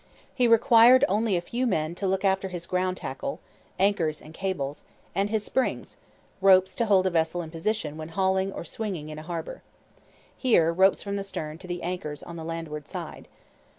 He required only a few men to look after his ground tackle; [Footnote: Anchors and cables.] and his springs [Footnote: Ropes to hold a vessel in position when hauling or swinging in a harbour. Here, ropes from the stern to the anchors on the landward side.